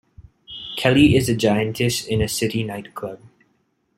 Kelly is a giantess in a city nightclub.